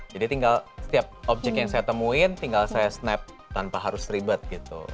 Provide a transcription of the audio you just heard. jadi setiap objek yang saya temuin tinggal saya snap tanpa harus ribet gitu